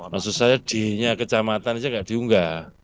maksud saya di kecamatan saja enggak diunggah